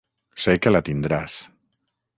Sé que la tindràs.